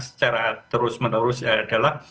secara terus menerus adalah